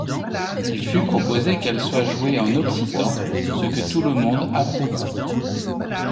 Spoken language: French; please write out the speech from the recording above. Il fut proposé qu’elle soit jouée en occitan, ce que tout le monde approuva.